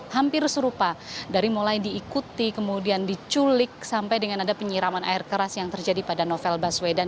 hampir serupa dari mulai diikuti kemudian diculik sampai dengan ada penyiraman air keras yang terjadi pada novel baswedan